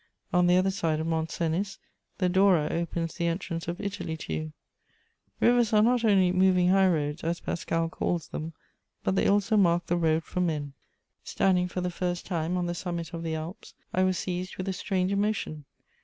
On the other side of Mont Cenis, the Dora opens the entrance of Italy to you. Rivers are not only "moving high roads," as Pascal calls them, but they also mark the road for men. Standing for the first time on the summit of the Alps, I was seized with a strange emotion.